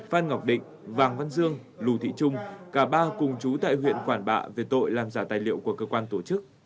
phan ngọc định vàng văn dương lù thị trung cả ba cùng chú tại huyện quản bạ về tội làm giả tài liệu của cơ quan tổ chức